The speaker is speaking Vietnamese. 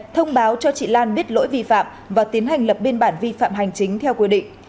thông báo cho chị lan biết lỗi vi phạm và tiến hành lập biên bản vi phạm hành chính theo quy định